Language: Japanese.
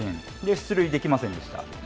出塁できませんでした。